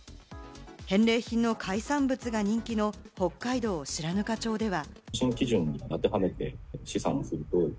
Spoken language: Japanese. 返礼品の海産物が人気の北海道・白糠町では。